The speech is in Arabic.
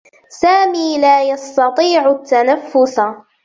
سامي لا يستطيع التنفس.